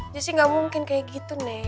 jessi gak mungkin kayak gitu nih